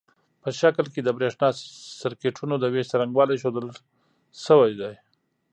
په شکل کې د برېښنا سرکټونو د وېش څرنګوالي ښودل شوي دي.